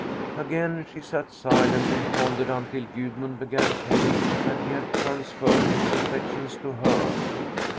Again she sat silent and pondered until Gudmund began telling that he had transferred his affections to her.